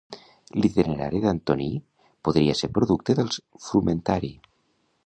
L'Itinerari d'Antoní podria ser producte dels frumentari.